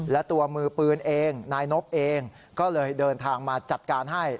และตัวมือปืนเองนายนบเองก็เลยเดินทางมาจัดการให้